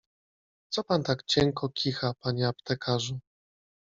— Co pan tak cienko kicha, panie aptekarzu?